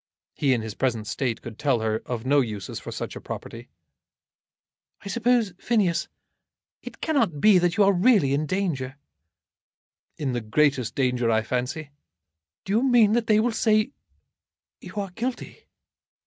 He in his present state could tell her of no uses for such a property. "I suppose, Phineas, it cannot be that you are really in danger?" "In the greatest danger, I fancy." "Do you mean that they will say you are guilty?"